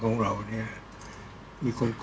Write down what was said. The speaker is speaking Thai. ก็ต้องทำอย่างที่บอกว่าช่องคุณวิชากำลังทำอยู่นั่นนะครับ